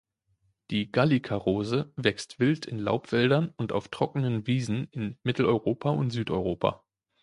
Die Gallica-Rose wächst wild in Laubwäldern und auf trockenen Wiesen in Mitteleuropa und Südeuropa.